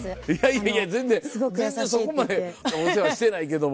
いやいや全然そこまでお世話してないけども。